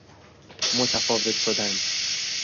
متفاوت شدن